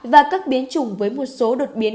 và các biến chủng với một số đột biến